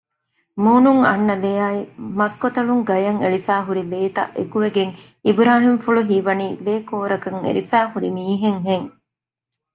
މޫނުން އަންނަ ލެއާއި މަސްކޮތަޅުން ގަޔަށް އެޅިފައިހުރި ލޭތައް އެކުވެގެން އިބުރާހިމްފުޅު ހީވަނީ ލޭކޯރަކަށް އެރިފައިހުރި މީހެއް ހެން